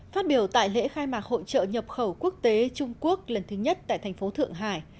phát biểu tại lễ khai mạc hội trợ nhập khẩu quốc tế trung quốc lần thứ nhất tại thành phố thượng hải